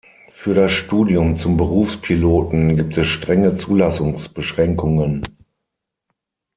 Für das Studium zum Berufspiloten gibt es strenge Zulassungsbeschränkungen.